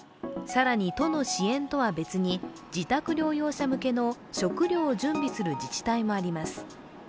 更に、都の支援とは別に自宅療養者向けの食料を準備する自治体もあります。